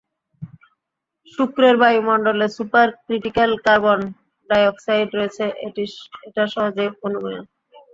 শুক্রের বায়ূমন্ডলে super critical carbon dioxide রয়েছে এটা সহজেই অনুমেয়।